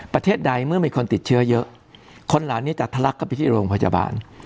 ประเทศใดเมื่อมีคนติดเชื้อเยอะคนเหล่านี้จะทะลักเข้าไปที่โรงพยาบาล